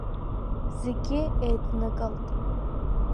Зегьы еиднакылт…